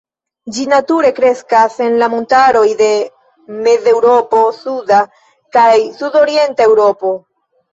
Ĝi nature kreskas en la montaroj de Mezeŭropo, Suda kaj Sudorienta Eŭropo.